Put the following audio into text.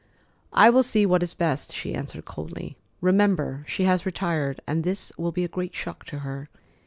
"I will see what is best," she answered coldly. "Remember she has retired, and this will be a great shock to her.